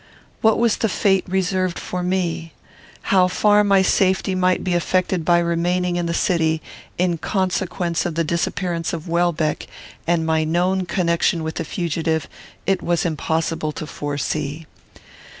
What was the fate reserved for me? How far my safety might be affected by remaining in the city, in consequence of the disappearance of Welbeck, and my known connection with the fugitive, it was impossible to foresee.